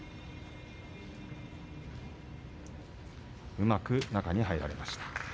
うまく中に入られました。